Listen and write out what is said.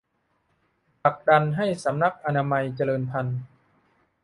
ผลักดันให้สำนักอนามัยเจริญพันธุ์